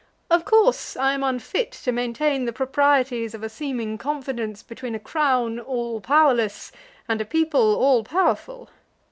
"Of course I am unfit to maintain the proprieties of a seeming confidence between a Crown all powerless and a people all powerful.